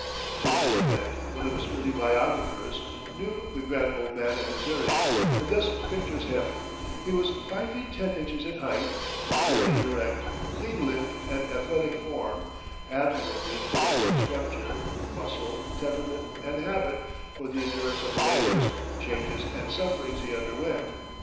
Timothy Flint, one of his early biographers, knew the "grand old man" in Missouri, and thus pictures him: "He was five feet ten inches in height, of a very erect, clean limbed, and athletic form admirably fitted in structure, muscle, temperament, and habit for the endurance of the labors, changes, and sufferings he underwent.